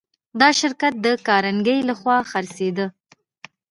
دا شرکت د کارنګي لهخوا خرڅېده